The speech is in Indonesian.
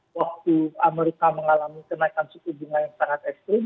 waktu amerika mengalami kenaikan suku bunga yang sangat ekstrim